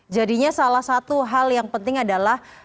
jadinya salah satu hal yang penting adalah